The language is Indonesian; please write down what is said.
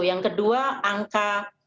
yang kedua angka